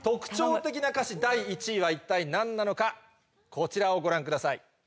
こちらをご覧ください。